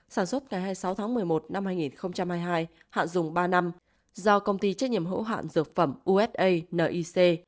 sản xuất ngày hai mươi sáu tháng một mươi một năm hai nghìn hai mươi hai hạn dùng ba năm do công ty trách nhiệm hữu hạn dược phẩm usa nic